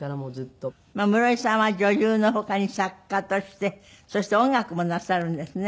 室井さんは女優の他に作家としてそして音楽もなさるんですね。